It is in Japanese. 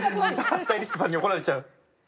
スタイリストさんに怒られちゃう。